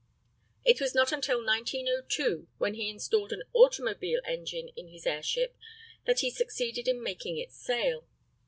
It was not until 1902, when be installed an automobile engine in his airship, that he succeeded in making it sail.